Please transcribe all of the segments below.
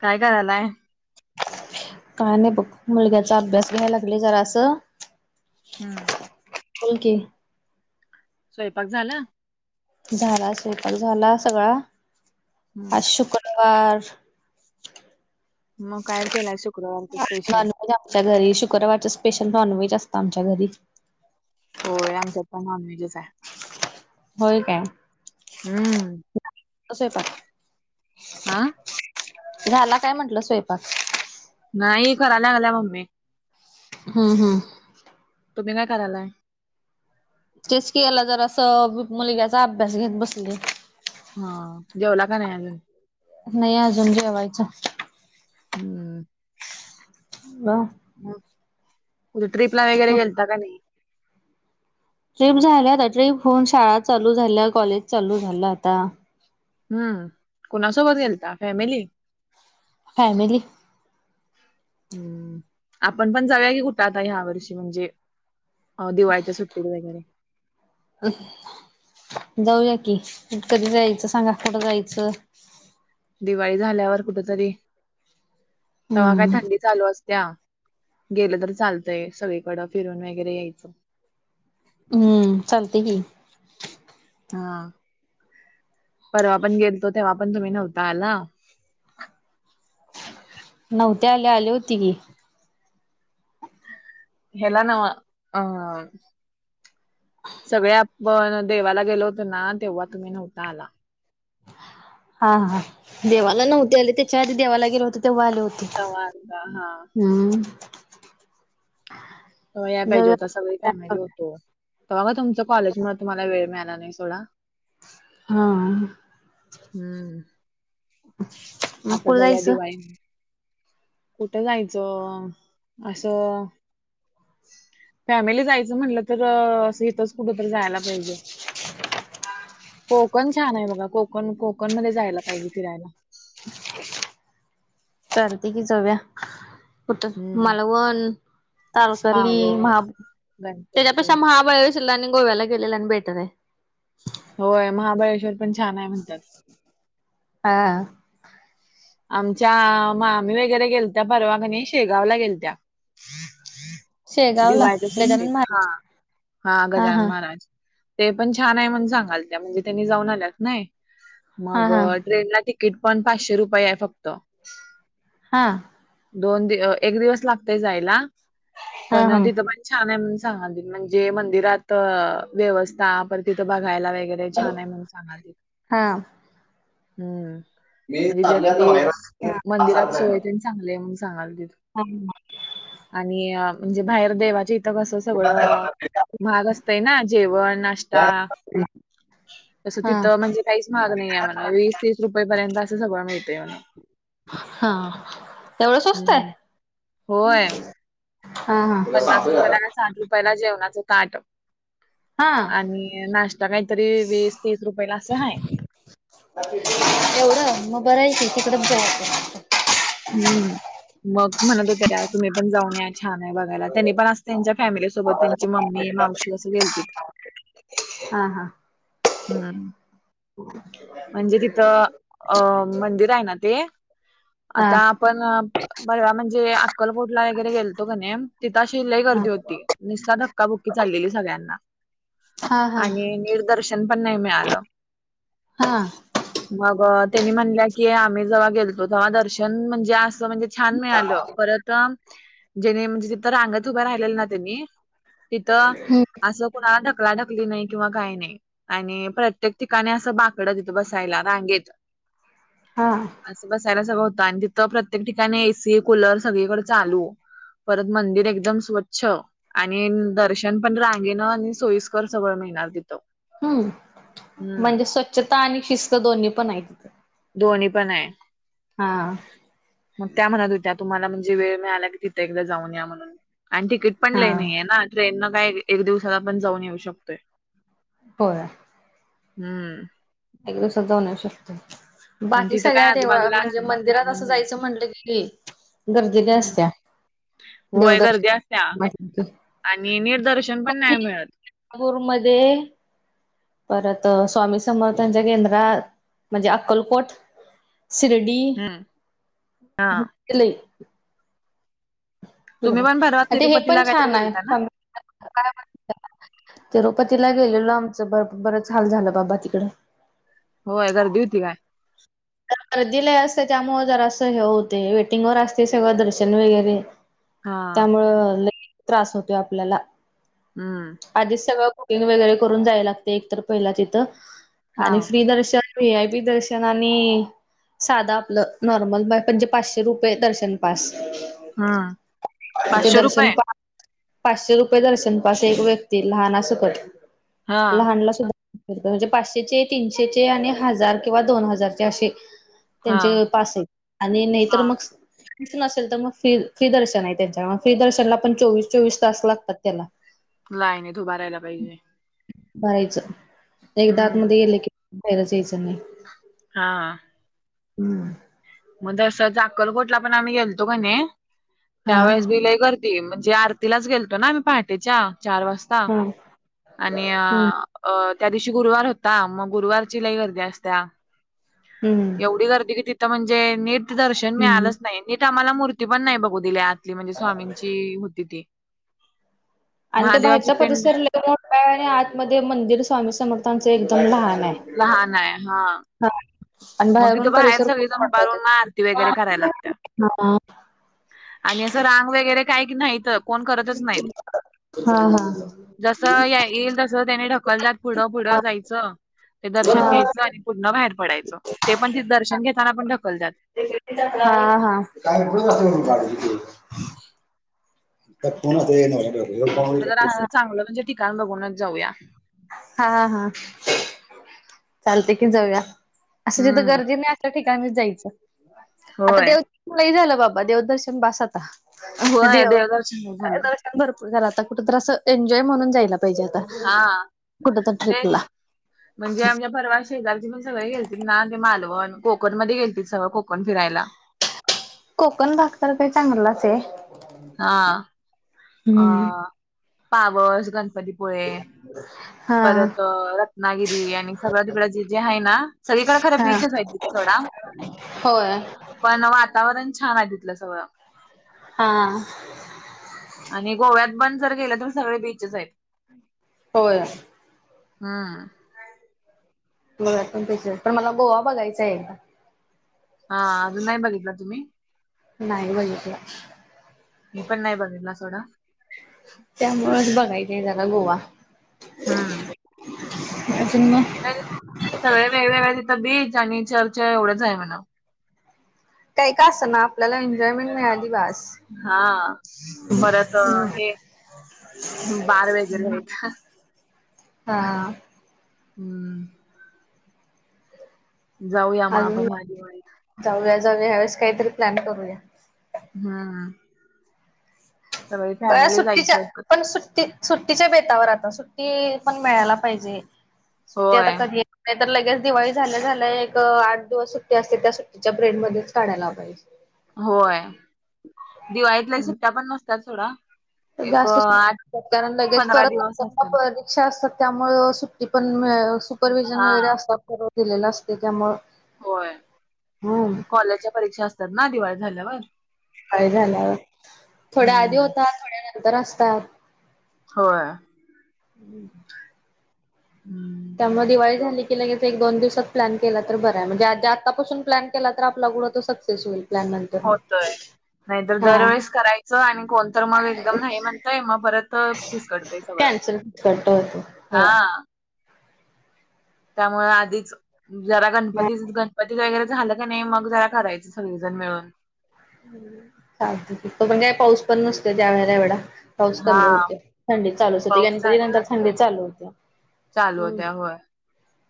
काय करालाय? काय नाही बघ मुलग्याचा अभ्यास घ्याय लागले जरासं. हुं. बोल की. स्वयपाक झाला? झाला. स्वयपाक झाला सगळा. आज हम्म, शुक्र वार मग काय केलाय शुक्रवारचं स्पेशल? नॉनव्हेज आमच्या घरी, शुक्रवारच स्पेशल नॉनव्हेज असतं आमच्या घरी. होय, आमच्यात पणं नॉनव्हेजच हाय. होय काय? हुं. असंय पा. आ झाला काय म्हंटलं स्वयपाक? नाही करा लागल्या मम्मी. हू हू, तुम्ही काय करालाय? तेच की याला जरासं मुलग्याचा अभ्यास घेत बसले. हा जेवला का नाही अजून? नाही आजून जेवायचं हम्म म कुठ ट्रिपला वगैरे ट्रिप गेलता का नाही? ट्रिप झाल आता ट्रिप होऊन शाळा चालू झाल्या कॉलेज चालू झालं आता. हम्म कुणासोबत गेलता फॅमेली? फॅमिली [inaudible] हम्म आपण पण जाऊया की कुठं आता ह्या वर्षी म्हणजे अ दिवाळीच्या सुट्टीत वगैरे. जाऊया की कधी जायचं सांगा कुट जायचं? दिवाळी झाल्यावर कुठ तरी तव्हा काय हम्म थंडी चालू आसत्या गेलं तर चालतंय सगळीकडं फिरून वगैरे यायचं. हम्म चालतय की. हा परवा पण गेलतो तेव्हा पण तुम्ही नव्हता आला नव्हते आले, आले होती की. हेला नव्हं अ सगळे आपण देवाला गेलो होतो ना तेव्हा तुम्ही नव्हता आला. हा हा देवाला नव्हते आले तेच्या आधी देवाला गेलो होतो तेव्हा आले होते. तव्हा आलता हा. हुं व्हय या पाहिजे होतासा सगळी फॅमिली होतो तव्हा म तुमच कॉलेजमूळ तुम्हाला वेळ मिळाला नाही सोडा, हां हम्म [inaudible] आता जावूया, जायचं दिवाळी कुठ जायचं? आसं फॅमिली जायचं म्हटलं तर आसं हितचं कुठ तर जायाला पाहिजे कोकण छान आहे बघा कोक ण कोकण मध्ये जायला पाहिजे फिरायला. चालतय की जावूया कुठं हम्म मालवन. तारसली महा पावस गणपती त्याच्यापेक्षा महाबाळे श्वर आणि गोव्याला गेलेल आणि बेटर आहे. होय महाबळेश्वर पण छान आहे म्हणत्यात. हा, हा, आमच्या मामी वगैरे गेलत्या परवा कनी शेगावला गेलत्या. शेगावला दिवाळीच्या गजानन सुट्टीत हा महाराज हा गजानन माहाराज ते पण छान आहे म्हणून सांगालत्या म्हणजे त्यांनी जाऊन आल्यात नाही. मग हा हा ट्रेनला तिकीट पण पाचशे रुपये आहे फक्त. हा. दोन दि, एक दिवस लागतय जायला, हा पण हा तिथं छान आहे सांगालते, म्हणजे मंदिरात व्यवस्था आपण तिथं बघायला वगैरे लय हॅलो छान म्हणून सांगालती. हा मी चाललोय आता तेच, मंदिरात सोय बाहेर तेन चांगली हाय, म्हणून सांगालतीत. हा हा. आणि म्हणजे बाहेर देवाची कसं हा सगळं, महाग असतंय ना, जेवण, नाश्ता. तसं तिथं म्हणजे काहीच महाग नाही आहे म्हण, वीस तीस रुपये पर्यंत असं सगळं मिळतय म्हण. हा एवढं स्वस्त आहे होय. हा हा तुला पन्नास सांगतोय रुपयाला जरा आणि साठ रुपयाला जेवणाचं ताट. हा आणि नाश्ता, काहीतरी वीस, तीस रुपयला असं हाय. एवढं? मग बरय की तिकडंच जायचं. हम्म! मग म्हणत होत्या त्या, तुम्ही पण जाऊन या छान आहे बघायला, त्यांनी पण अस त्यांच्या फॅमिलीसोबत त्यांची मम्मी, मावशी, असं गेलतीत. हा हम्म! म्हणजे तिथं अ मंदिर आहे ना ते हा हा आता आपण परवा म्हणजे, अक्कलकोटला वगैरे गेलतो क नाही, तिथं आशी लई हा गर्दी होती. निस्ता धक्काबुक्की चाललेली सगळ्यांना. हा हा आणि निट दर्शन पण नाही मिळालं. हा. मग त्यांनी म्हणल्या की, आम्ही जेव्हा गेलतो तेव्हा दर्शन म्हणजे अस म्हणजे छान मिळालं, परत जे म्हणजे रांगेत उभ्या राहिलेल ना त्यांनी तिथं हम्म असं कुणाला ढकला ढकली नाही, किंवा काही नाही. आणि प्रत्येक ठिकाणी असं बाकडं बसायला, रांगेत हा. असं बसायला सगळं होतं, आणि तिथं प्रत्येक ठिकाणी एसी कुलर सगळीकडें चालू परत, मंदिर एकदम स्वच्छ. आणि दर्शन पण रांगेण, आणि सोयीस्कर सगळ मिळणार तिथं. हम्म! हम्म म्हणजे स्वच्छता, आणि शिस्त दोन्ही पण आहेत. दोन्ही पण आहे. हा. मग त्या म्हणत होत्या, तुम्हाला म्हणजे वेळ मिळाला की, तिथ एकदा जाऊ या म्हणून, आणि तिकीट पण हा लई नई हाय ना, ट्रेनन काय एक दिवसात आपण जाऊन येऊ शकतोय. होय. हम्म! एक दिवसात जाऊन शकतोय. आणि बाकी तिथं सगळ्या काय देव, आजूबाजूला म्हणजे असलं तर मंदिरात तिथं पण असं जायचं म्हटलं की, गर्दी लई हम्म. असत्या. होय गर्दी देवदर्शन असत्या, म्हटलं की. आणि निदर्शन पण नाही मिळत. नागपूरमध्ये परत, स्वामी समर्थांच्या केंद्रात, म्हणजे अक्कलकोट शिर्डी, हम्म हा ते लई तुम्ही कडे, पण परवा आता हे पण तिरुपतीला काहीतरी छान आहे गेलता ना? काय तिरुपतीला गेलेलो, आमचं बर बरंच हाल झालं बाबा तिकडं. होय गर्दी होती काय? तर गरदीीला असते त्यामुळ जर असं हे होते वेटिंग वर असते सगळं दर्शन वगैरे हा त्यामुळं ल त्रास होतोय आपल्याला हम् आधीच सगळं कुटिंग वगैरे करून जाय लागतय एकत पहिला तिथं हा आणि फ्री दर्शन वी आय पी दर्शनाला आणि साधं आपलं नॉर्मल म्हणजे पाचशे रुपये दर्शन पास. हम्म तथे पाचशे दर्शन रुपये पा पाचशे रुपये दर्शनपाास एक व्यक्ती लहाना सकट हा लहानला सुद्धा बिरकल म्हणजे पाचशेचे तीनशेचे आणि हजार किंवा दोन हजारचे असे हा त्यांचे पास आहे आणि हा नाहीतर मग नसेल तर मग फ फ्री दर्शन आहे त्यांच्या फ्री दर्शनला पण चोवीस चोवीस तास लागतात त्याला. लायनीत उभ राहायला पाहिजे. भरायचं एकदा हम्म आतमध्येध्ये गल की बाहेरच यायचं नाही. हा हम्म मग तस अक्कलकोट ला पण आम्ही गेलतो कणी हा त्यावेेळेस हा बिलय गर्दी म्हणजे आरतीलाच गेलतो ना आम्ही पहाटेच्या चार वाजता. ह आणि अ अ त्या दिवशी गुरुवार होता मग गुरुवारची लई गर्दी असत्या, हम्म एवढी गर्दी कि तिथं म्हणजे नीट दर्शन हम्म. मिळालंच नाही. इथं आम्हाला मूर्ती पण नाही बघू दिली आतली म्हणजे स्वामीची होती ती. आणि तो महादेवाची बाहेरचा पिंड परिसर लई मोठ आहे आणि आतमध्ये मंदिर स्वामी समर्थांचं एकदम लहान आहे. लहान आहे. हा हा. आणि मग तिथ बाहेरून बाहेर परिसर खूप सगळीजण मोठा होते. उभारून आरती वगैरे हा. करायला लागत्या. आणि असं रांग वगैरे काय माहीत नाहीत कोण करतच नाहीत. हा हा हा हा जस येईल तस त्यानी ढकलतात पुढं पुढं हा. जायचं, ते दर्शन घ्यायचं आणि पुढन बाहेर पडायचं ते पण तिथ दर्शन घेताना पण ढकलतात. हा हा हम्म. [unintelligible] त्यात कोण आता [unintelligible] मग कुठं तर असं चांगलं म्हणजे ठिकाण बघूनच जाऊया. हा हा चालतंय की जाऊया असं जिथ हम्म गर्दी नाही अशा ठिकाणीच जायचं. आता होय. देवदर्शनला झालं बाबा देवदर्शन बास आता होय देव देवदर्शन नाही झालं. भरपूर झालं आता कुठंत तर असं एन्जॉय म्हणून जायला पाहिजे आता. हा कुठ तर ट्रिपला तेच म्हणजे आमच्या परवा शेजारची पण सगळे गेलतीत ना ते मालवण कोकण मध्ये गेलती सगळं कोकण फिरायला. कोकण भाग तर काय चांगलाच आहे. हा अ हम्म. पावस गणपती पुळे हा परत रत्नागिरी आणि सगळ्या तिकड जे जे आहे ना, सगळीकडे खरं हा बीचच आहेत तिथं सोडा. होय पण वातावरण छान आहे तिथल सगळं. हां आणि गोव्यात पण जर गेलं तर सगळ बीचच आहेत. होय हां गोव्यात पण तसंच पण मला गोवा बघायचा आहे. आ अजून नाही बघितलं तुम्ही? नाही बघितला. मी पण नाही बघितला सोडा. त्यामुळेच बघायचा आहे जरा गोवा. हां. अजून म सगळे वेगवेगळे तिथं बीज आणि चर्चा एवढंच आहे म्हणा. काय का असं ना आपल्याला एन्जॉयमेंट मिळाली बास. हा परत हे बार वगैरे आहेत. हा. हम्म. जाऊया मग अजून आपण ह्या दिवाळीत. जाऊया जाऊया यावेळेस काहीतरी प्लॅन करूया. हां. तेव्हा सुट्टीच्या जायचं एकत्र. पण सुट्टी सुट्टीच्या बेतावर आता सुट्टी पण मिळायला पाहिजे सुट्टी आता होय कधी नाही तर लगेच दिवाळी झाल्या झाल्या एक आठ दिवस सुट्टी असते त्या सुट्टीच्या पिरेडमध्येच काढायला. पाहिस होय दिवाळीत लय सुट्टया पण नसतात सोडा. एक जास्त आठ सु [inaudible] कारण लगेच पंधरा परत दिवस असतात आपण [inaudible] सासत्या त्यामुळं सुट्टी पण मय सुपरविहजन हा वगैरे [unintelligible] दिलेलं असते त्यामुळे होय कॉलेजच्या परीक्षा असतात ना दिवाळी झाल्यावर. काय झाल्यावर थोड्या आधी हम्म होतात थोड्या नंतर असतात. होय. हम्म. त्यामुळे दिवाळी ब झाली की लगेच एक दोन दिवसात प्लॅन केला तर बरं आहे म्हणजे आज जे आतापासून प्लॅन केला तर आपला गुड होतं सक सेस होईल प्लॅन नंतर मी होतय. नाहीतर दरवेेळेस करायचं आणि कोणतर मग एकदम नाही म्हणतय मग परत फीस करडतय सगळं. कॅनसल कर. हां. त्यामुळे आधीच जरा गणपतीच गणपती वगैरे झालं का नाही मग जरा करायचां सगळी जण मिळून. चालतंय की तोपर्यंत काय पाऊस पण नसतोय त्या वेळेला एवढा पाऊस हा कमी होतोय. थंडी चालूच होती पाऊस गणपती झालेला नंतर थंडी असतोय चालू होत्या चालू हम्म होत्या होय.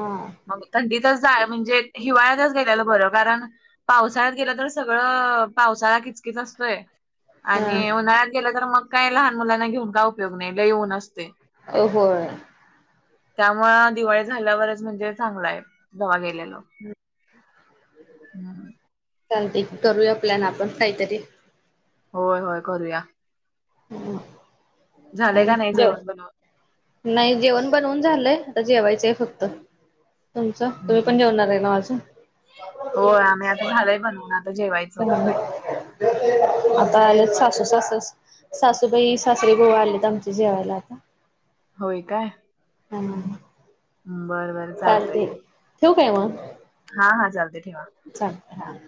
हा. मग थंडीतच जाया म्हणजे हिवाळ्यातच गेलेलं बरं कारण पावसाळ्यात गेलं तर सगळं पावसाळया किचकीच असतोय. आणि हा उन्हाळ्यात गेलं तर मग काय लहान मुलांना घेऊन का उपयोग नाही लई ऊन असते. अ होय. त्यामुळे दिवाळी झाल्यावरच म्हणजे चांगला आहे दवा गेलेला. [unintelligible] [unintelligible] चालते की करूया प्लॅन आपण काहीतरी. होय होय करूया. झालंय का नाही जेवण बनवून? [inaudible] नाही जेवण बनवून झालंय आता जेवायचीये फक्त तुमचं तुम्ही पण जेवणार आहे नव अजून हो आम्ही आता झालंय बनवनार आता हम्म. आलेत सासू सासू सासूबाई सासर आले आमचे जेवायला आता होय काय बरं बर चालतय ठेवू काय मग हा हा चालतय ठेवा चालतय हा हा